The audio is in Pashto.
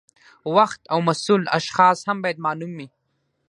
وخت او مسؤل اشخاص هم باید معلوم وي.